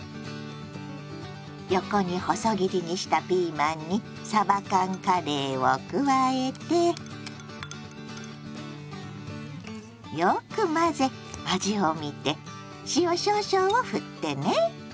横に細切りにしたピーマンにさば缶カレーを加えてよく混ぜ味を見て塩少々をふってね。